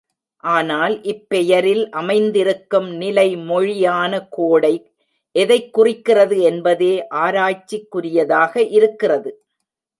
ஆனால் இப்பெயரில் அமைந்திருக்கும் நிலை மொழி யான கோடை எதைக் குறிக்சிறது என்பதே ஆராய்ச்சிக்குரியதாக இருக்கிறது.